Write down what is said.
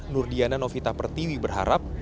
nur diana novita pertiwi berharap